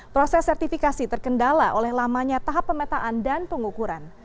proses sertifikasi terkendala oleh lamanya tahap pemetaan dan pengukuran